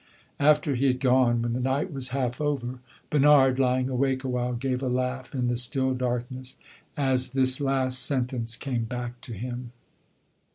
After he had gone, when the night was half over, Bernard, lying awake a while, gave a laugh in the still darkness, as this last sentence came back to him.